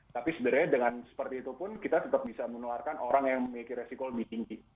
tapi sebenarnya dengan seperti itu pun kita tetap bisa menularkan orang yang memiliki resiko lebih tinggi